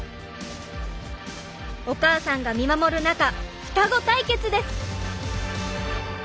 お母さんが見守る中双子対決です！